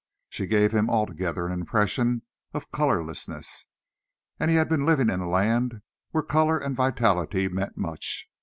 She gave him altogether an impression of colourlessness, and he had been living in a land where colour and vitality meant much.